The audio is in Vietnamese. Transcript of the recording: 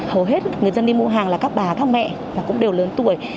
hầu hết người dân đi mua hàng là các bà các mẹ cũng đều lớn tuổi